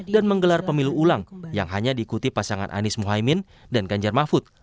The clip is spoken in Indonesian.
dan menggelar pemilu ulang yang hanya diikuti pasangan anies muhaymin dan ganjar mahfud